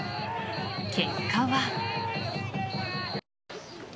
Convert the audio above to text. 結果は。